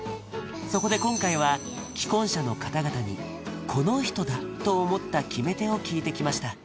そこで今回は既婚者の方々に「この人だ！」と思った決め手を聞いてきました